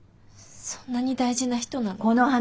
そんなに大事な人なの？